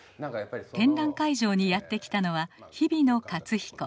展覧会場にやって来たのは日比野克彦。